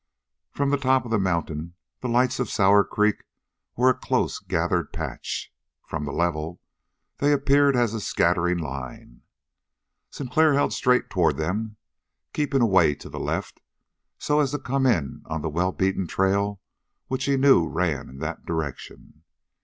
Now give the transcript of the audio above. From the top of the mountain the lights of Sour Creek were a close gathered patch, from the level they appeared as a scattering line. Sinclair held straight toward them, keeping away to the left so as to come onto the well beaten trail which he knew ran in that direction.